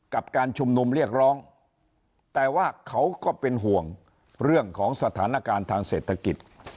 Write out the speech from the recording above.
กับการชุมนุมเรียกร้องแต่ว่าเขาก็เป็นห่วงเรื่องของสถานการณ์ทางเศรษฐกิจ